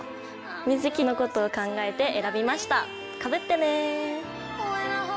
みずきのことを考えて選びましたかぶってね。